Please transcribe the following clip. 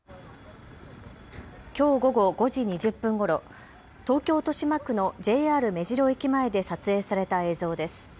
きょう午後５時２０分ごろ、東京豊島区のＪＲ目白駅前で撮影された映像です。